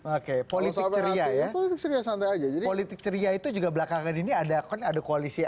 oke politik ceria ya sudah santai aja jadi politik ceria itu juga belakangan ini ada konaduk polisi